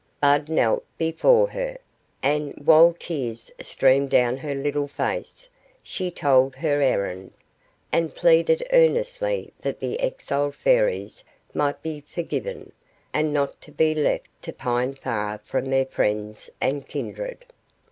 Bud knelt before her, and, while tears streamed down her little face, she told her errand, and pleaded earnestly that the exiled Fairies might be forgiven, and not be left to pine far from their friends and kindred.